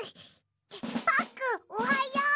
パックンおはよう！